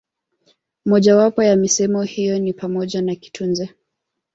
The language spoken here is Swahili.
Moja wapo ya misemo hiyo ni pamoja na kitunze